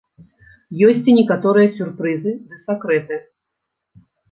Ёсць і некаторыя сюрпрызы ды сакрэты.